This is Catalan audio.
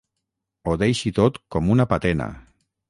Ho deixi tot com una patena.